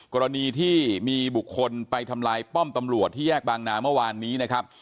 กรณีที่มีบุคคลไปทำลายป้อมตำรวจที่แยกบางนาเมื่อวานนี้นะครับ